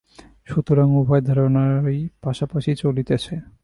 সুতরাং উভয় ধারণাই পাশাপাশি চলিতেছে।